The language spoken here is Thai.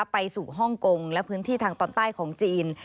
ไปสู่ฮ่องกงและพื้นที่ทางตอนใต้ของจีน